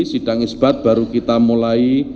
sidang isbat baru kita mulai